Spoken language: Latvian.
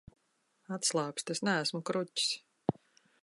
Atslābsti, es neesmu kruķis.